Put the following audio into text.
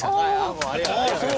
ありがとうございます。